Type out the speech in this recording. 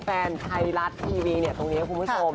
ให้แฟนไทรัทตีวีตรงนี้คุณผู้ชม